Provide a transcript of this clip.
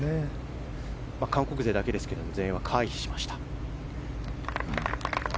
韓国勢だけですが全英は回避しました。